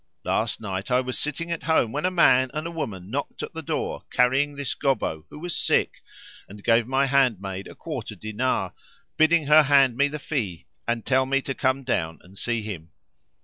Last night I was sitting at home when a man and a woman knocked at the door carrying this Gobbo who was sick, and gave my handmaid a quarter dinar, bidding her hand me the fee and tell me to come down and see him.